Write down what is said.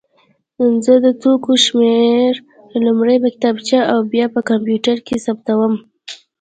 زه د توکو شمېر لومړی په کتابچه او بیا په کمپیوټر کې ثبتوم.